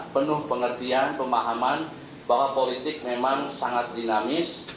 penuh pengertian pemahaman bahwa politik memang sangat dinamis